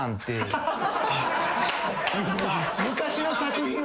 昔の作品を？